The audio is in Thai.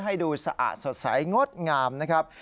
ให้ดูสะอาดสดใสงดงามนะครับ